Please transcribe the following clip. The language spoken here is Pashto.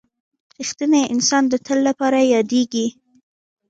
• رښتینی انسان د تل لپاره یادېږي.